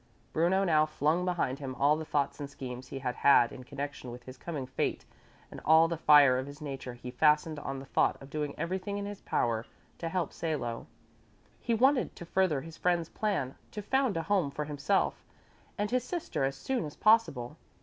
Bruno now flung behind him all the thoughts and schemes he had had in connection with his coming fate and with all the fire of his nature he fastened on the thought of doing everything in his power to help Salo. He wanted to further his friend's plan to found a home for himself and his sister as soon as possible.